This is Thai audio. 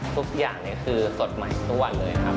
ทุกอย่างคือสดใหม่ทุกวันเลยครับ